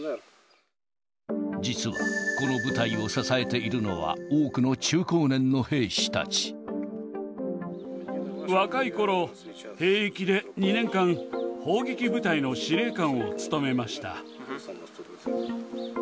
実は、この部隊を支えているのは、若いころ、兵役で２年間、砲撃部隊の司令官を務めました。